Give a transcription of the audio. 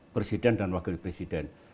presiden dan wakil presiden